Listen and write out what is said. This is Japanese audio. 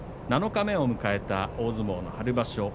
七日目を迎えた大相撲の春場所。